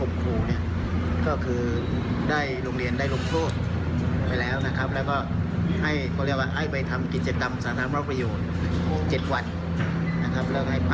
เพื่อแก้ปัญหาอย่างให้ได้เจอกันอีกนะครับ